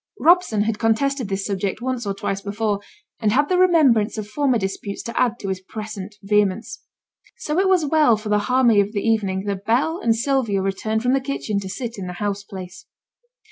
Robson had contested this subject once or twice before, and had the remembrance of former disputes to add to his present vehemence. So it was well for the harmony of the evening that Bell and Sylvia returned from the kitchen to sit in the house place.